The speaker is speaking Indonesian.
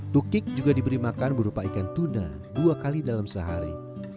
tukik juga diberi makan berupa ikan tuna dua kali dalam sehari